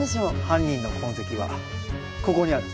犯人の痕跡はここにある！